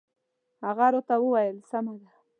هغه راته وویل سمه ده.